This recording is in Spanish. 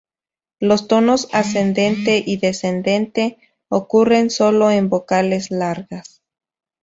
Los tonos ascendente y descendente ocurren sólo en vocales largas.